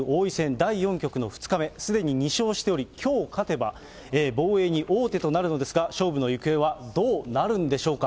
第４局の２日目、すでに２勝しており、きょう勝てば、防衛に王手となるのですが、勝負の行方はどうなるんでしょうか。